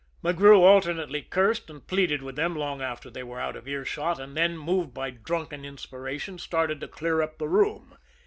McGrew alternately cursed and pleaded with them long after they were out of earshot; and then, moved by drunken inspiration, started to clear up the room.